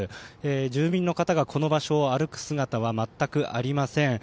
住民の方がこの場所を歩く姿は全くありません。